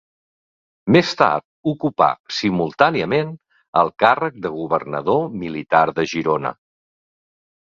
Més tard ocupà simultàniament el càrrec de governador militar de Girona.